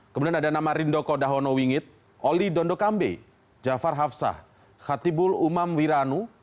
kemudian ada nama rindoko dahono wingit oli dondokambe jafar hafsah khatibul umam wiranu